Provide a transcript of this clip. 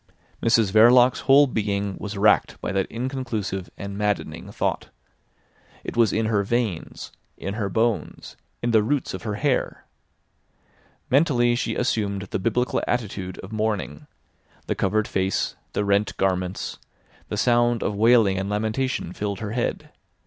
Mrs Verloc's whole being was racked by that inconclusive and maddening thought. It was in her veins, in her bones, in the roots of her hair. Mentally she assumed the biblical attitude of mourning—the covered face, the rent garments; the sound of wailing and lamentation filled her head.